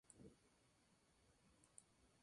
La localidad está en en la Cuenca de Pamplona.